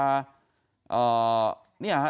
อ่า